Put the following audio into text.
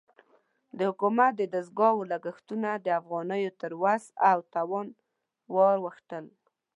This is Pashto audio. د حکومت د دستګاه لګښتونه د افغانیو تر وس او توان ورواوښتل.